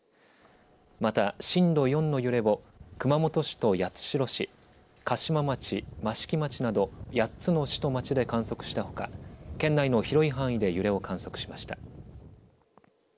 また震度４の揺れを熊本市と八代市、嘉島町、益城町など８つの市と町で観測したほか県内の広い範囲で揺れを観測しました。